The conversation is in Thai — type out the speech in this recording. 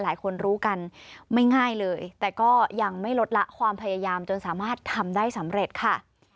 หลายคนรู้กันไม่ง่ายเลยแต่ก็ยังไม่ลดละความพยายามจนสามารถทำได้สำเร็จค่ะ